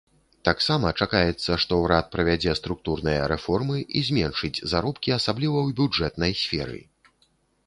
Таксама чакаецца, што ўрад правядзе структурныя рэформы і зменшыць заробкі, асабліва ў бюджэтнай сферы.